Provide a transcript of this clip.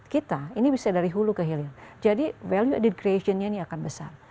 kita ini bisa dari hulu ke hilir jadi value added creation nya ini akan besar